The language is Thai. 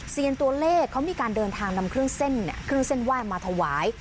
เซียนตัวเลขเขามีการเดินทางนำเครื่องเส้นว่ายมาถวาย